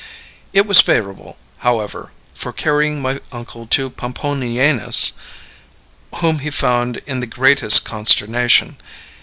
It was favorable, however, for carrying my uncle to Pomponianus, whom he found in the greatest consternation.